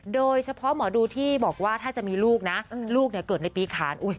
โดยเฉพาะหมอดูที่บอกว่าถ้าจะมีลูกนะลูกเกิดในปีขาน